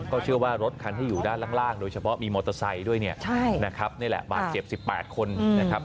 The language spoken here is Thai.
ก็เชื่อว่ารถคันที่อยู่ด้านล่างโดยเฉพาะมีมอเตอร์ไซค์ด้วยเนี่ยนะครับนี่แหละบาดเจ็บ๑๘คนนะครับ